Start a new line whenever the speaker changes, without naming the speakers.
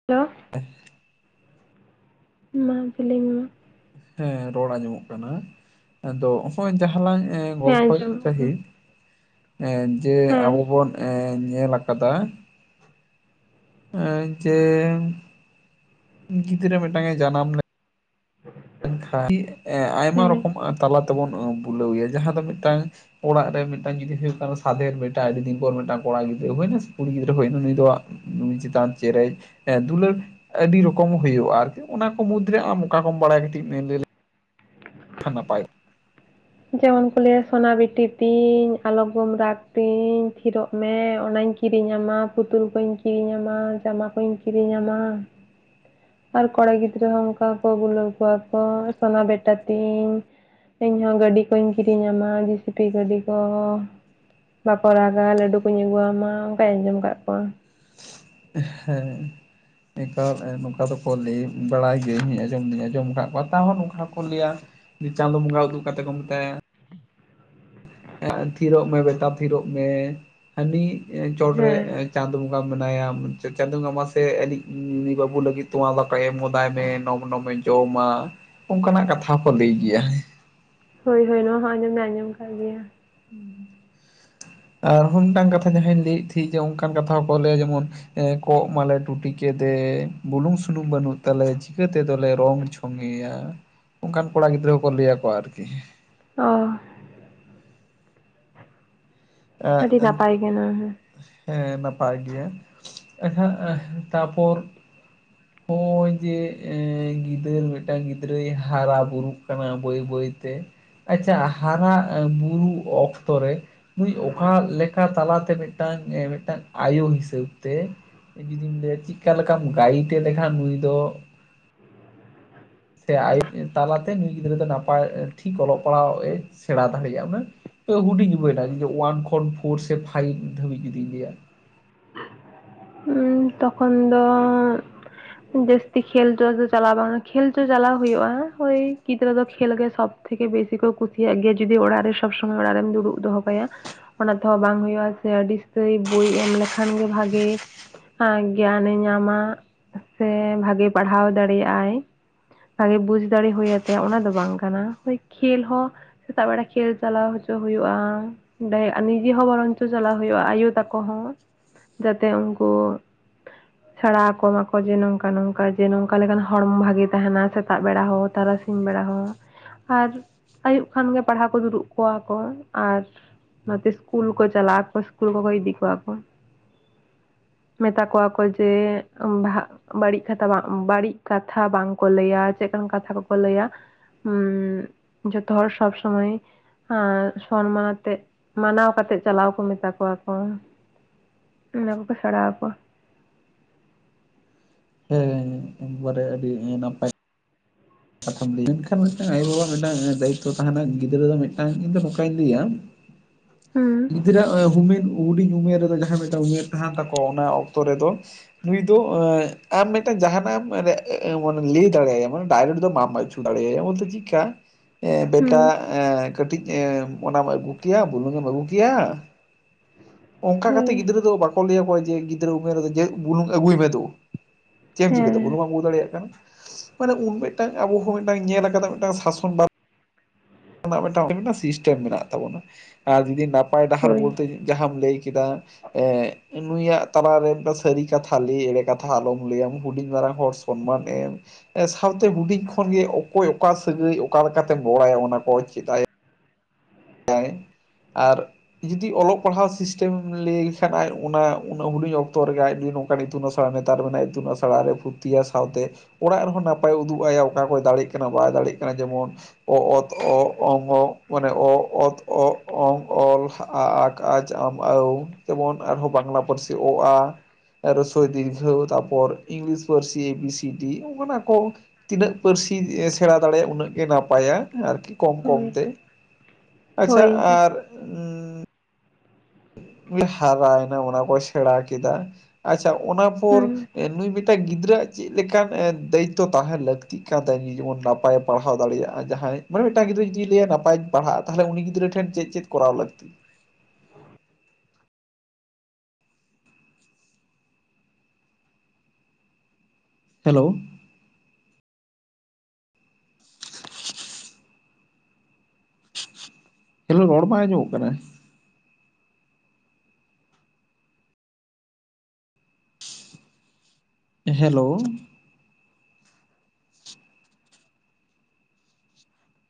[inaudible]
[unintelligible]
ᱢᱟ ᱟᱢᱜᱮ ᱞᱟᱹᱭ ᱢᱮ ᱢᱟ ᱾
ᱦᱮᱸ ᱨᱚᱲ ᱟᱸᱡᱚᱢᱚᱜ ᱠᱟᱱᱟ ᱾ᱟᱫᱚ ᱦᱚᱸᱜᱼᱚᱭ ᱡᱟᱦᱟᱸᱞᱟᱝ
ᱦᱮᱸ
ᱜᱚᱞᱯᱷᱚᱭ ᱮᱫ
ᱟᱸᱡᱚᱢᱚᱜ ᱠᱟᱱᱟ
ᱛᱟᱦᱮᱡ ᱮ ᱡᱮ
ᱦᱮᱸ
ᱟᱵᱚ ᱵᱚᱱ [unintelligible] ᱧᱮᱞ ᱟᱠᱟᱫᱟ ᱮ ᱡᱮ ᱜᱤᱫᱽᱨᱟᱹ ᱢᱤᱫᱴᱟᱝ ᱮ ᱡᱟᱱᱟᱢ ᱞᱮ ᱞᱮᱱᱠᱷᱟᱱ ᱮ ᱟᱭᱢᱟ
ᱦᱮᱸ
ᱨᱚᱠᱚᱢ ᱛᱟᱞᱟ ᱛᱮᱵᱚᱱ ᱵᱩᱞᱟᱹᱣᱭᱟ ᱡᱟᱦᱟᱸ ᱫᱚ ᱢᱤᱫᱴᱟᱝ ᱚᱲᱟᱜ ᱨᱮ ᱢᱤᱫᱴᱟᱝ ᱡᱩᱫᱤ ᱦᱩᱭᱩᱜ ᱠᱟᱱᱟ ᱥᱟᱫᱷᱮᱨ ᱵᱮᱴᱟ ᱟᱫᱤ ᱫᱤᱱ ᱯᱚᱨ ᱢᱤᱫᱴᱟᱝ ᱠᱚᱲᱟ ᱜᱤᱫᱽᱨᱟᱹ ᱦᱩᱭᱱᱟ ᱥᱮ ᱠᱩᱲᱤ ᱜᱤᱫᱽᱨᱟᱹ ᱦᱩᱭᱱᱟ ᱱᱩᱭ ᱫᱚ ᱱᱩᱭ ᱪᱮᱛᱟᱱ ᱪᱮᱨᱮᱡ ᱮᱸ ᱫᱩᱞᱟᱹᱲ ᱟᱹᱰᱤ ᱨᱚᱠᱚᱢ ᱦᱩᱭᱩᱜᱼᱟ ᱟᱨᱠᱤ ᱚᱱᱟ ᱠᱚ ᱢᱩᱫᱽᱨᱮ ᱟᱢ ᱚᱠᱟ ᱠᱚᱢ ᱵᱟᱲᱟᱭ ᱠᱟᱹᱴᱤᱡ ᱞᱮᱭ [unintelligible] ᱞᱮᱱᱠᱷᱟᱱ ᱱᱟᱯᱟᱭᱼᱚᱜ
ᱡᱮᱢᱚᱱ ᱠᱚ ᱞᱟᱹᱭᱟ ᱥᱚᱱᱟ ᱵᱤᱴᱤ ᱛᱤᱧ ᱟᱞᱚᱢ ᱜᱳ ᱨᱟᱜᱽ ᱛᱤᱧ ᱛᱷᱤᱨᱚᱜ ᱢᱮ ᱚᱱᱟᱧ ᱠᱤᱨᱤᱧᱟᱢᱟ, ᱯᱩᱛᱩᱞ ᱠᱚᱧ ᱠᱤᱨᱤᱧᱟᱢᱟ, ᱡᱟᱢᱟ ᱠᱚᱧ ᱠᱤᱨᱤᱧᱟᱢᱟ ᱟᱨ ᱠᱚᱲᱟ ᱜᱤᱫᱽᱨᱟᱹ ᱦᱚᱸ ᱚᱱᱠᱟ ᱠᱚ ᱵᱩᱞᱟᱹᱣ ᱠᱚᱣᱟ ᱠᱚ ᱥᱚᱱᱟ ᱵᱮᱴᱟ ᱛᱤᱧ ᱤᱧᱦᱚᱸ ᱜᱟᱹᱰᱤ ᱠᱚᱧ ᱠᱤᱨᱤᱧᱟᱢᱟ ᱡᱤᱥᱤᱯᱤ ᱜᱟᱹᱰᱤ ᱠᱚᱸ ᱵᱟᱠᱚ ᱨᱟᱜᱟ ᱞᱟᱹᱰᱩ ᱠᱚᱧ ᱟᱹᱜᱩᱟᱢᱟ ᱚᱱᱠᱟᱧ ᱟᱸᱡᱚᱢ ᱠᱟᱜ ᱠᱚᱣᱟ᱾
ᱦᱮᱸ ᱮᱠᱟᱞ ᱮᱸ ᱱᱚᱝᱠᱟ ᱫᱚᱠᱚ ᱞᱟᱹᱭ ᱵᱟᱲᱟᱭ ᱜᱤᱟᱹᱧ ᱤᱧ ᱦᱩᱧ ᱟᱸᱡᱚᱢ ᱫᱚᱧ ᱟᱸᱡᱚᱢ ᱠᱟᱜ ᱠᱚᱣᱟ ᱛᱟᱣ ᱦᱚᱸ ᱱᱚᱝᱠᱟᱠᱚ ᱞᱟᱹᱭᱟ ᱾ ᱪᱟᱸᱫᱳ ᱵᱚᱸᱜᱟ ᱩᱫᱩᱜ ᱠᱟᱛᱮᱜ ᱠᱚ ᱢᱮᱛᱟᱭᱟ ᱛᱷᱤᱨᱚᱜ ᱢᱮ ᱵᱮᱴᱟ ᱛᱷᱤᱨᱚᱜ ᱢᱮ ᱦᱟᱹᱱᱤ
ᱦᱮᱸ
ᱪᱚᱴᱨᱮ [inaudible] ᱪᱟᱸᱫᱳ ᱵᱚᱸᱜᱟ ᱢᱮᱱᱟᱭᱟ ᱪᱟᱸᱫᱳ ᱵᱚᱸᱜᱟ ᱢᱟᱥᱮ ᱟᱞᱤᱡ ᱱᱩᱭ ᱵᱟᱹᱵᱩ ᱞᱟᱹᱜᱤᱫ ᱛᱚᱣᱟ ᱫᱟᱠᱟ ᱮᱢ ᱦᱚᱫᱟᱭ ᱢᱮ [inaudible] ᱚᱱᱚ ᱢᱚᱧ ᱡᱚᱢᱟ ᱚᱱᱠᱟᱱᱟᱜ ᱠᱟᱛᱷᱟ ᱠᱚ ᱞᱟᱹᱭ ᱜᱤᱭᱟ᱾
ᱦᱳᱭ ᱦᱳᱭ ᱱᱚᱣᱟ ᱦᱚᱸ ᱟᱸᱡᱚᱢ ᱫᱚ ᱟᱸᱡᱚᱢ ᱠᱟᱜ ᱜᱮᱭᱟ᱾
ᱟᱨᱦᱚᱸ ᱢᱤᱫᱴᱟᱝ ᱠᱟᱛᱷᱟ ᱡᱟᱦᱟᱸᱧ ᱞᱮᱭᱮᱜ ᱛᱷᱤ ᱡᱮ ᱚᱱᱠᱟᱱ ᱠᱟᱛᱷᱟ ᱦᱚᱸᱠᱚ ᱞᱟᱹᱭᱟ ᱡᱮᱢᱚᱱ ᱠᱚᱸᱜ ᱢᱟᱞᱮ ᱴᱩᱴᱤ ᱠᱮᱫᱮ ᱵᱩᱞᱩᱝ, ᱥᱩᱱᱩᱢ ᱵᱟᱹᱱᱩᱜ ᱛᱟᱞᱮ ᱪᱤᱠᱟᱹ ᱛᱮᱫᱚᱞᱮ ᱨᱚᱝ ᱪᱷᱚᱝ ᱠᱟᱹᱢᱤᱭᱟ ᱚᱱᱠᱟᱱ ᱠᱚᱲᱟ ᱜᱤᱫᱽᱨᱟᱹ ᱠᱚ ᱞᱟᱹᱭ ᱟᱠᱚᱣᱟ ᱟᱨᱠᱤ
ᱦᱚᱭ, ᱟᱹᱰᱤ ᱱᱟᱯᱟᱭ ᱠᱟᱱᱟ ᱦᱮᱸ
[inaudible] ᱦᱮᱸ ᱱᱟᱯᱟᱭ ᱜᱮᱭᱟ ᱮᱠᱷᱟᱱ ᱮᱦ ᱛᱟᱯᱚᱨ
[inaudible]
ᱦᱚᱜᱼᱚᱭ ᱡᱮ ᱜᱤᱫᱽᱨᱟᱹ ᱢᱤᱫᱴᱟᱝ [inaudible] ᱜᱤᱫᱟᱞ ᱢᱤᱫᱴᱟᱝ ᱜᱤᱫᱽᱨᱟᱹᱭ ᱦᱟᱨᱟ ᱵᱩᱨᱩᱜ ᱠᱟᱱᱟ ᱵᱟᱹᱭ ᱵᱟᱹᱭ ᱛᱮ ᱾ ᱟᱪᱪᱷᱟ ᱦᱟᱨᱟ ᱵᱩᱨᱩᱜ ᱚᱠᱛᱚ ᱨᱮ ᱱᱩᱭ ᱚᱠᱟ ᱞᱮᱠᱟ ᱛᱟᱞᱟᱛᱮ ᱢᱤᱫᱴᱟᱝ ᱢᱤᱫᱴᱟᱝ ᱟᱭᱳ ᱦᱤᱥᱟᱹᱵ ᱛᱮ ᱡᱩᱫᱤᱢ ᱞᱟᱹᱭᱟ ᱪᱤᱠ ᱞᱮᱠᱟᱢ ᱜᱟᱭᱤᱴᱮ ᱞᱮᱠᱷᱟᱱ ᱱᱩᱭ ᱫᱚ ᱥᱮ ᱟᱭᱩ ᱛᱟᱞᱟᱛᱮ ᱱᱩᱭ ᱜᱤᱫᱽᱨᱟᱹ ᱫᱚ ᱱᱟᱯᱟᱭ ᱴᱷᱤᱠ ᱚᱞᱚᱜ ᱯᱟᱲᱦᱟᱜ ᱮ ᱥᱮᱬᱟ ᱫᱟᱲᱮᱭᱟᱜᱼᱟ ᱩᱱᱟᱹᱜ ᱦᱩᱰᱤᱧ ᱩᱢᱮᱨ ᱨᱟᱭ ᱡᱩᱫᱤ ᱳᱣᱟᱱ ᱠᱷᱚᱱ ᱯᱷᱳᱨ ᱥᱮ ᱯᱷᱟᱭᱤᱵ ᱫᱷᱟᱹᱵᱤᱡ ᱡᱩᱫᱤᱧ ᱞᱟᱹᱭᱟ ᱾
[inaudible] ᱦᱩᱸ ᱛᱚᱠᱷᱚᱱ ᱫᱚ ᱡᱟᱹᱥᱛᱤ ᱠᱷᱮᱞᱪᱚ ᱫᱚ ᱪᱟᱞᱟ ᱵᱟᱝᱼᱟ ᱠᱷᱮᱞᱪᱚ ᱪᱟᱞᱟᱣ ᱦᱩᱭᱩᱜᱼᱟ ᱳᱭ ᱜᱤᱫᱽᱨᱟᱹ ᱫᱚ ᱠᱷᱮᱞ ᱜᱮ ᱥᱚᱵ᱾ ᱛᱷᱮᱠᱮ ᱵᱮᱥᱤ ᱠᱚ ᱠᱩᱥᱤᱭᱟᱜ ᱜᱮᱭᱟ ᱡᱩᱫᱤ ᱚᱲᱟᱜ ᱨᱮ ᱥᱚᱵ ᱥᱚᱢᱚᱭ ᱚᱲᱟᱜ ᱨᱮᱢ ᱫᱩᱲᱩᱜ ᱫᱚᱦᱚ ᱠᱟᱭᱟ ᱚᱱᱟ ᱛᱮᱦᱚᱸ ᱵᱟᱝ ᱦᱩᱭᱩᱜᱼᱟ ᱥᱮ ᱟᱹᱰᱤ ᱥᱛᱟᱹᱭ ᱵᱳᱭ ᱮᱢ ᱞᱮᱠᱷᱟᱱ ᱜᱮ ᱵᱷᱟᱜᱮ [unintelligible] ᱜᱮᱭᱟᱱᱮ ᱧᱟᱢᱟ ᱾ ᱥᱮ ᱵᱷᱟᱜᱮ ᱯᱟᱲᱦᱟᱣ ᱫᱟᱲᱮᱭᱟᱜᱼᱟᱭ ᱵᱷᱟᱜᱮ ᱵᱩᱡ ᱫᱟᱲᱮ ᱦᱩᱭ ᱟᱛᱮᱭᱟ ᱚᱱᱟ ᱫᱚ ᱵᱟᱝ ᱠᱟᱱᱟ ᱦᱳᱭ ᱠᱷᱮᱞ ᱦᱚᱸ ᱥᱮᱛᱟᱜ ᱵᱮᱲᱟ ᱠᱷᱮᱞ ᱪᱟᱞᱟᱣ ᱦᱚᱪᱚ ᱦᱩᱭᱩᱜᱼᱟ ᱰᱟᱭᱟᱜ ᱱᱤᱡᱮ ᱦᱚᱸ ᱵᱟᱨᱚᱱ ᱪᱚ ᱪᱟᱞᱟᱣ ᱦᱩᱭᱩᱜᱼᱟ ᱟᱭᱳ ᱛᱟᱠᱚ ᱦᱚᱸ ᱡᱟᱛᱮ ᱩᱱᱠᱩ [inaudible] ᱥᱮᱲᱟ ᱟᱠᱚ ᱢᱟᱠᱚ ᱡᱮ ᱱᱚᱝᱠᱟ ᱱᱚᱝᱠᱟ ᱡᱮ ᱱᱚᱝᱠᱟ ᱞᱮᱠᱟᱱ ᱦᱚᱲᱢᱚ ᱵᱷᱟᱜᱮ ᱛᱟᱦᱮᱱᱟ ᱥᱮᱛᱟᱜ ᱵᱮᱲᱟ ᱦᱚᱸ, ᱛᱟᱨᱟᱥᱤ ᱥᱤᱧ ᱵᱮᱲᱟ ᱦᱚᱸ ᱟᱨ ᱟᱭᱩᱵ ᱠᱷᱟᱱ ᱜᱮ ᱯᱟᱲᱦᱟᱣ ᱠᱚ ᱫᱩᱲᱩᱵ ᱠᱚᱣᱟ ᱠᱚ ᱟᱨ ᱱᱚᱛᱮ ᱥᱤᱠᱩᱞ ᱠᱚ ᱪᱟᱞᱟ ᱟᱠᱚ ᱥᱤᱠᱩᱞ ᱠᱚᱠᱚ ᱤᱰᱤ ᱠᱚᱣᱟ ᱠᱚ ᱾ ᱢᱮᱛᱟ ᱠᱚᱣᱟ ᱠᱚ ᱡᱮ ᱵᱷᱟ ᱵᱟᱹᱲᱤᱡ ᱠᱟᱛᱷᱟ ᱵᱟᱜ ᱵᱟᱹᱲᱤᱡ ᱠᱟᱛᱷᱟ ᱵᱟᱝᱠᱚ ᱞᱟᱹᱭᱟ ᱪᱮᱜᱠᱟᱱ ᱠᱟᱛᱷᱟ ᱠᱚᱠᱚ ᱞᱟᱹᱭᱟ ᱦᱩᱸ ᱡᱚᱛᱚ ᱦᱚᱲ ᱥᱚᱵ ᱥᱚᱢᱚᱭ [inaudible] ᱥᱚᱱᱢᱟᱱ ᱟᱛᱮᱜ ᱢᱟᱱᱟᱣ ᱠᱟᱛᱮᱜ ᱪᱟᱞᱟᱣ ᱠᱚ ᱢᱮᱛᱟ ᱠᱚᱣᱟ ᱠᱚ ᱾ ᱱᱟᱝ ᱠᱚ ᱥᱚᱲᱟᱣ ᱠᱚ ᱾
ᱦᱮᱸ ᱮᱠᱵᱟᱨᱮ ᱟᱸᱰᱤ ᱱᱟᱯᱟᱭ ᱠᱟᱛᱷᱟᱢ ᱞᱟᱹᱭᱟ ᱢᱮᱱᱠᱷᱟᱱ ᱢᱤᱫᱴᱟᱝ ᱟᱭᱳᱼᱵᱟᱵᱟᱣᱟᱜ ᱢᱤᱫᱴᱟᱝ ᱫᱟᱭᱤᱛᱛᱚ ᱛᱟᱦᱮᱱᱟ ᱜᱤᱫᱽᱨᱟᱹ ᱫᱚ ᱢᱤᱫᱴᱟᱝ ᱤᱧ ᱫᱚ ᱱᱚᱝᱠᱟᱧ ᱞᱟᱹᱭᱟ
[inaudible] ᱦᱩᱸ
ᱜᱤᱫᱽᱨᱟᱹ ᱟᱜ ᱦᱩᱢᱤᱱ ᱦᱩᱰᱤᱧ ᱩᱢᱮᱨ ᱨᱮᱫᱚ ᱡᱟᱦᱟᱸᱭ ᱢᱤᱫᱴᱟᱝ ᱩᱢᱮᱨ ᱛᱟᱦᱮᱱ ᱛᱟᱠᱚᱣᱟ ᱚᱱᱟ ᱚᱠᱛᱚ ᱨᱮᱫᱚ ᱱᱤᱛᱚᱜ ᱟᱢ ᱢᱤᱫᱴᱟᱝ ᱡᱟᱦᱱᱟᱜ ᱮᱢ ᱢᱟᱱᱮ ᱞᱟᱹᱭ ᱫᱟᱲᱮ ᱟᱭᱟᱢ᱾ ᱰᱟᱭᱨᱮᱴ ᱫᱚ ᱢᱟᱢ ᱟᱹᱪᱩ ᱫᱟᱲᱮᱟᱭᱟ ᱵᱚᱞᱛᱮ ᱪᱮᱫᱠᱟ
ᱦᱩᱸ
ᱵᱮᱴᱟ ᱠᱟᱹᱴᱤᱡ ᱚᱱᱟᱢ ᱟᱹᱜᱩ ᱠᱮᱭᱟ ᱵᱩᱞᱩᱝ ᱮᱢ ᱟᱹᱜᱩ ᱠᱮᱭᱟ᱾ ᱚᱱᱠᱟ ᱠᱟᱛᱮᱜ
ᱦᱳᱭ
ᱜᱤᱫᱽᱨᱟᱹ ᱫᱚ ᱵᱟᱠᱚ ᱞᱟᱹᱭ ᱟᱠᱚᱣᱟ ᱡᱮ ᱜᱤᱫᱽᱨᱟᱹ ᱩᱢᱮᱨ ᱨᱮ ᱡᱮ ᱵᱩᱞᱩᱝ ᱟᱹᱜᱩᱭ ᱢᱮ ᱫᱩ ᱪᱮᱫ ᱮᱢ ᱪᱤᱠᱟᱹᱭᱫᱟ
ᱦᱮᱸ
ᱵᱩᱞᱩᱝ ᱵᱟᱢ ᱟᱹᱜᱩ ᱫᱟᱲᱮᱭᱟᱜ ᱠᱟᱱᱟ ᱢᱟᱱᱮ ᱩᱱ ᱢᱤᱫᱴᱟᱝ ᱟᱵᱚ ᱦᱚᱸ ᱢᱤᱫᱴᱟᱝ ᱧᱮᱞ ᱠᱟᱱᱟ ᱢᱤᱫᱴᱟᱝ ᱥᱟᱥᱚᱱ ᱢᱤᱫᱴᱟᱝ ᱥᱤᱥᱴᱮᱢ ᱢᱮᱱᱟᱜ ᱛᱟᱵᱚᱱᱟ ᱟᱨ ᱡᱩᱫᱤ ᱱᱟᱯᱟᱭ ᱰᱟᱦᱟᱨ ᱵᱚᱞᱛᱮ ᱡᱟᱦᱟᱸᱢ ᱞᱟᱹᱭ ᱠᱮᱫᱟ ᱮᱸ ᱱᱩᱭᱟᱜ ᱛᱟᱞᱟᱨᱮ ᱫᱚ ᱥᱟᱹᱨᱤ ᱠᱟᱛᱷᱟ ᱞᱟᱹᱭ ᱮᱲᱮ ᱠᱟᱛᱷᱟ ᱟᱞᱚᱢ ᱞᱟᱹᱭᱟᱢ ᱦᱩᱰᱩᱧ ᱢᱟᱨᱟᱝ ᱦᱚᱲ ᱥᱚᱢᱢᱟᱱ ᱮᱢ ᱥᱟᱶᱛᱮ ᱦᱩᱰᱤᱧ ᱠᱷᱚᱱᱜᱮ ᱚᱠᱚᱭ ᱚᱠᱟ ᱥᱟᱹᱜᱟᱹᱭ ᱚᱠᱟ ᱞᱮᱠᱟᱛᱮᱢ ᱨᱚᱲᱟᱭᱟ ᱚᱱᱟ ᱠᱚ ᱪᱮᱫᱟᱭ? ᱦᱮ ᱟᱨ ᱡᱩᱫᱤ ᱚᱞᱚᱜ ᱯᱟᱲᱦᱟᱣ ᱥᱤᱥᱴᱮᱢ ᱞᱟᱹᱭ ᱞᱮᱠᱷᱟᱱ ᱟᱡ ᱚᱱᱟ ᱩᱱᱟᱹᱜ ᱦᱩᱰᱤᱧ ᱚᱠᱛᱚ ᱨᱮᱜᱮ ᱟᱡ ᱦᱚᱸ ᱤᱛᱩᱱ ᱟᱥᱲᱟ ᱱᱮᱛᱟᱨ ᱫᱚ ᱱᱟᱦᱟᱜ ᱤᱛᱩᱱ ᱟᱥᱲᱟ ᱨᱮ ᱯᱷᱩᱛᱤᱭᱟ ᱥᱟᱶᱛᱮ ᱚᱲᱟᱜ ᱨᱮᱦᱚᱸ ᱱᱟᱯᱟᱭ ᱩᱫᱩᱜᱟᱭᱟ ᱚᱠᱟ ᱠᱚᱭ ᱫᱟᱲᱮᱜ ᱠᱟᱱᱟ ᱵᱟᱭ ᱫᱟᱲᱮᱜ ᱠᱟᱱᱟ ᱡᱮᱢᱚᱱ ᱚ ᱛ ᱜ ᱝ ᱜ ᱚᱱᱮ ᱜ᱾ ᱛ ᱜ ᱝ ᱞ ᱟ ᱠ ᱡ ᱢ ᱣ ᱛᱮᱵᱚᱱ ᱟᱨᱦᱚᱸ ᱵᱟᱝᱞᱟ ᱯᱟᱹᱨᱥᱤ᱾ ᱚ ᱟ ᱾ ᱨᱳᱥᱳᱚᱭ ᱫᱤᱨᱜᱷᱚᱭᱩ ᱛᱟᱨᱯᱚᱨ ᱤᱝᱞᱤᱥ ᱯᱟᱹᱨᱥᱤ ᱮ ᱵᱤ ᱥᱤ ᱰᱤ ᱚᱱᱟᱠᱚ ᱱᱟᱠᱚ ᱛᱤᱱᱟᱹᱜ ᱯᱟᱹᱨᱥᱤ ᱥᱮᱬᱟ ᱫᱟᱲᱮᱭᱟᱜᱼᱟ ᱩᱱᱟᱹᱜ ᱜᱮ ᱱᱟᱯᱟᱭᱟ ᱟᱨᱠᱤ ᱠᱚᱢ ᱠᱚᱢᱛᱮ᱾ ᱟᱪᱪᱷᱟ ᱟᱨ ᱦᱟᱨᱟᱭᱱᱟ ᱚᱱᱟᱠᱚᱭ ᱥᱮᱬᱟ ᱠᱮᱫᱟ ᱟᱪᱪᱷᱟ ᱚᱱᱟ ᱯᱚᱨ ᱱᱩᱭ ᱢᱤᱫᱴᱟᱝ ᱜᱤᱫᱽᱨᱟᱹ ᱟᱜ ᱪᱮᱫ ᱞᱮᱠᱟᱱ ᱫᱟᱭᱤᱛᱛᱚ ᱛᱟᱦᱮᱸᱱ ᱞᱟᱹᱠᱛᱤᱜ ᱠᱟᱱ ᱛᱟᱭᱟ ᱡᱮᱢᱚᱱ ᱱᱟᱯᱟᱭ ᱯᱟᱲᱦᱟᱣ ᱫᱟᱲᱮᱭᱟᱜᱼᱟ ᱡᱟᱦᱟᱸᱭ ᱢᱟᱱᱮ ᱢᱤᱫᱴᱟᱝ ᱜᱤᱫᱽᱨᱟᱹ ᱡᱩᱫᱤ ᱞᱟᱹᱭᱟ ᱱᱟᱯᱟᱭ ᱤᱧ ᱯᱟᱲᱦᱟᱜᱼᱟ ᱛᱟᱦᱞᱮ ᱩᱱᱤ ᱜᱤᱫᱽᱨᱟᱹ ᱴᱷᱮᱱ ᱪᱮᱫ ᱪᱮᱫ ᱠᱚᱨᱟᱣ ᱞᱟᱠᱛᱤ ᱦᱮᱞᱳ ᱦᱮᱞᱳ ᱨᱚᱲ ᱵᱟᱝ ᱟᱸᱡᱚᱢᱚᱜ ᱠᱟᱱᱟ᱾ ᱦᱮᱞᱳ